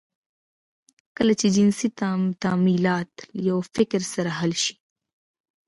کله چې جنسي تمایلات له یوه فکر سره حل شي